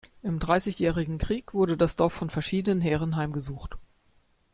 Im Dreißigjährigen Krieg wurde das Dorf von verschiedenen Heeren heimgesucht.